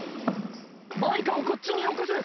マイカをこっちによこせ！